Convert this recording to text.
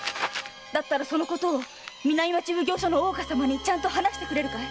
だったらそのことを南町奉行所の大岡様に話してくれるかい？